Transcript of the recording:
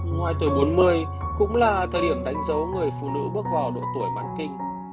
ngoài tuổi bốn mươi cũng là thời điểm đánh dấu người phụ nữ bước vào độ tuổi bán kinh